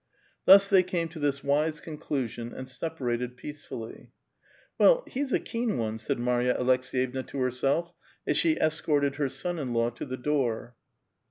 Thus they came to this wise conclusion, and sepai*ated peacefully. ''Well, he's a keen one,"^ said Marya Alcks^yevna to hei^self, as she escorted her son in law to the door.